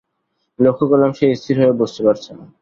লক্ষ করলাম, সে স্থির হয়ে বসতেও পারছে না।